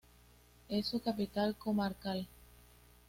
Es su capital comarcal.